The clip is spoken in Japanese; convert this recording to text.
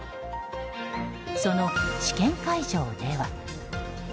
その試験会場では。